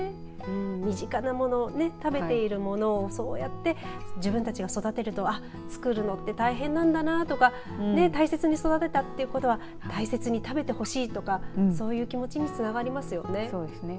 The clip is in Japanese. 身近なものを食べているものをそうやって自分たちが育てると作るのって大変なんだなとか大切に育てたってことは大切に食べてほしいとかそういう気持ちにつながりますよね。